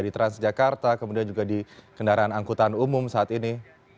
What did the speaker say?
di transjakarta kemudian juga di kendaraan angkutan umum saat ini